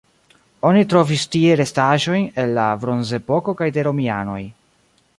Oni trovis tie restaĵojn el la bronzepoko kaj de romianoj.